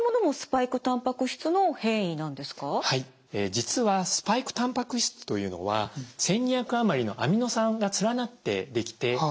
実はスパイクたんぱく質というのは１，２００余りのアミノ酸が連なってできています。